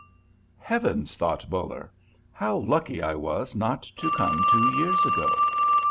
"Heavens!" thought Buller, "how lucky I was not to come two years ago!"